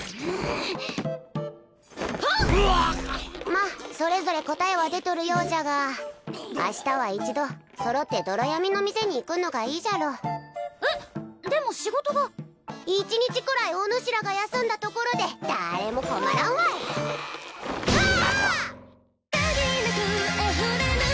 まっそれぞれ答えは出とるようじゃが明日は一度揃って泥闇の店に行くのがいいじゃろうえっでも仕事が１日くらいおぬしらが休んだところでだれも困らんわいうわあ！